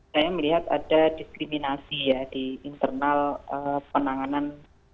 saya melihat ada diskriminasi ya di internal penanganan